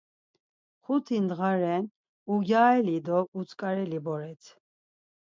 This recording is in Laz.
Xuti ndğa ren ugyareli do utzǩareli boret.